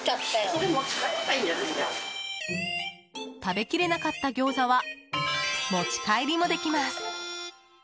食べきれなかったギョーザは持ち帰りもできます。